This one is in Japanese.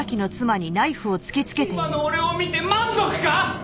今の俺を見て満足か？